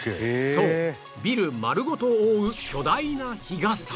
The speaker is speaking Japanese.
そうビル丸ごと覆う巨大な日傘